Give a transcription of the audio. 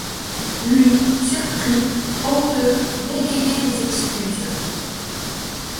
Lui, surpris, honteux, bégayait des excuses.